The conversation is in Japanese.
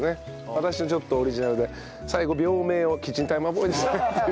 私のちょっとオリジナルで最後病名を「キッチンタイマーボーイですね」っていう。